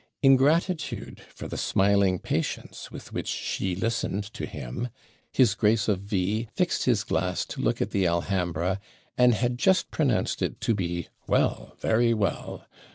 In gratitude for the smiling patience with which she listened to him, his Grace of V fixed his glass to look at the Alhambra, and had just pronounced it to be 'Well! very well!'